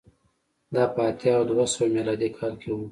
دا په اتیا او دوه سوه میلادي کال کې و